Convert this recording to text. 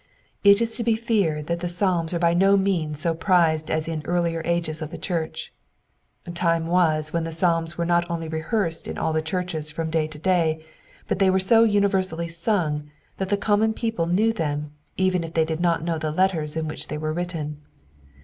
It is to be feared that the Psalms are by no means so prized as in earlier ages of the Church. Time was when the Psalms were not only rehearsed in all the churches from day to day, but they were so universally sung that the common people knew them, even if they did not know the letters in which they were written.